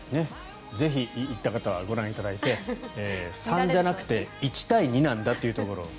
ぜひ行った方はご覧いただいて３じゃなくて１対２なんだなというところを。